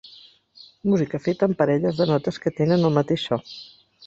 Música feta amb parelles de notes que tenen el mateix so.